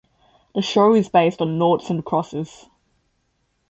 The show is based on noughts and crosses.